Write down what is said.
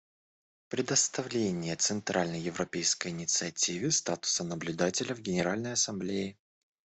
Предоставление Центральноевропейской инициативе статуса наблюдателя в Генеральной Ассамблее.